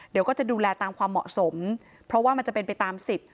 เดี๋ยวก็จะดูแลตามความเหมาะสมเพราะว่ามันจะเป็นไปตามสิทธิ์